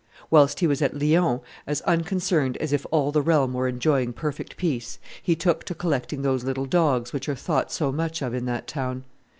Whilst he was at Lyons as unconcerned as if all the realm were enjoying perfect peace, he took to collecting those little dogs which are thought so much of in that town.